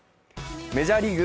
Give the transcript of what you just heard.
メジャーリーグ。